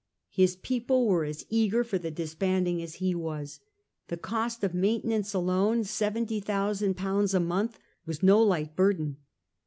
His people were as eager for the disbanding as he was. The cost of maintenance alone, 70,000 /. a month, was no light burden.